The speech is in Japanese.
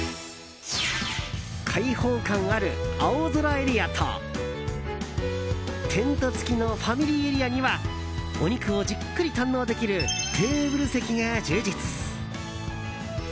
開放感ある青空エリアとテント付きのファミリーエリアにはお肉をじっくり堪能できるテーブル席が充実。